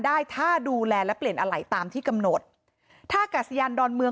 ได้ถ้าดูแลและเปลี่ยนอะไหล่ตามที่กำหนดท่ากาศยานดอนเมือง